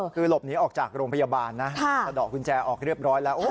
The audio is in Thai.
คือหลบหนีออกจากโรงพยาบาลนะสะดอกกุญแจออกเรียบร้อยแล้ว